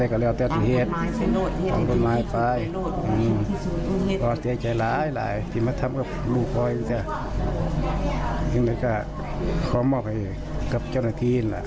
คำถามเก่ง